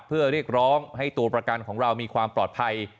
เพื่อเรียกร้องให้ตัวประกันของเรามีความปลอดภัย